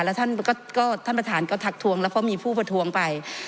แล้วท่านประธานก็ทักทวงแล้วเพราะมีผู้ประท้วงไป